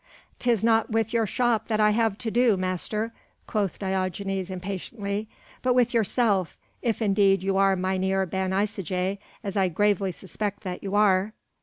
"'Tis not with your shop that I have to do, master," quoth Diogenes impatiently, "but with yourself, if indeed you are Mynheer Ben Isaje, as I gravely suspect that you are."